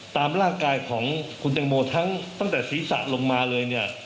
ตามร่างกายของคุณแตงโมทั้งตั้งแต่ศีรษะลงมาเลยเนี่ย